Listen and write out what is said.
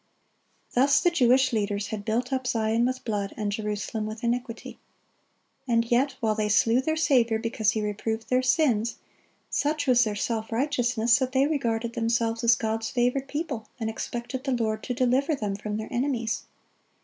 Thus the Jewish leaders had "built up Zion with blood, and Jerusalem with iniquity." And yet, while they slew their Saviour because He reproved their sins, such was their self righteousness that they regarded themselves as God's favored people, and expected the Lord to deliver them from their enemies.